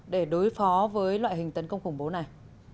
để đối phó với loại hình tấn công khủng bố này